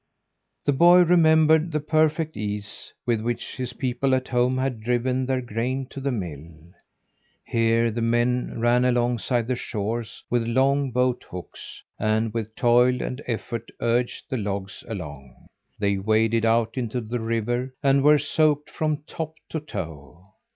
The boy remembered the perfect ease with which his people at home had driven their grain to the mill. Here the men ran alongside the shores with long boat hooks, and with toil and effort urged the logs along. They waded out in the river and were soaked from top to toe.